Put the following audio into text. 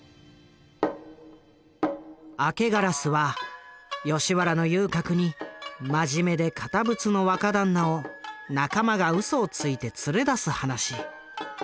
「明烏」は吉原の遊郭に真面目で堅物の若旦那を仲間がうそをついて連れ出す噺。